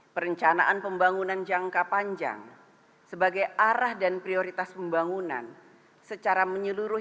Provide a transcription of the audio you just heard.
perencanaan pembangunan jangka panjang sebagai arah dan prioritas pembangunan secara menyeluruh